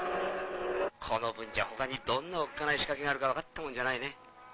この分じゃ他にどんなおっかない仕掛けがあるか分かったもんじゃないね。